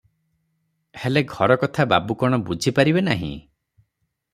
ହେଲେ ଘର କଥା ବାବୁ କଣ ବୁଝି ପାରିବେ ନାହିଁ?